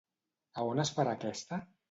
A on es farà aquesta?